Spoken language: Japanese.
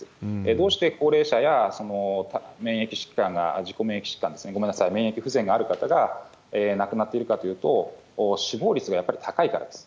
どうして高齢者や免疫疾患が、自己免疫疾患ですね、ごめんなさい、免疫不全がある方が亡くなっているかというと、死亡率がやっぱり高いからです。